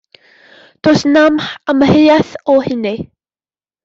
Does na'm amheuaeth o hynny.